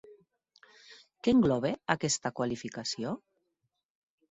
Què engloba aquesta qualificació?